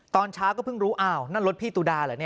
ตอนเช้าก็เพิ่งรู้อ้าวนั่นรถพี่ตุดาเหรอ